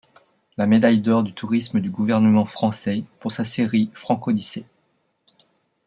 La Médaille d’Or du Tourisme du Gouvernement Français pour sa série Francodyssée.